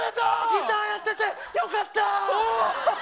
ギターやっててよかった。